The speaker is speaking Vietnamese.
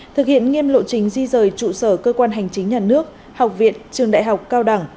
thực hiện nghiêm lộ trình di rời trụ sở cơ quan hành chính nhà nước học viện trường đại học cao đẳng